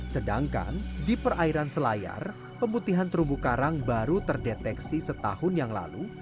sedangkan di perairan selayar pemutihan terumbu karang baru terdeteksi setahun yang lalu